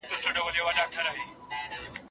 موږ بايد له کاروان څخه وروسته پاتې نه سو.